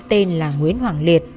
tên là nguyễn hoàng liệt